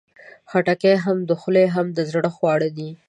خټکی هم د خولې، هم د زړه خواړه دي.